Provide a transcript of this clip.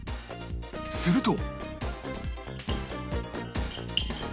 すると